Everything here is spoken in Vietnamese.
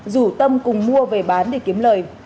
rủ tâm cùng mua về bán để kiếm lời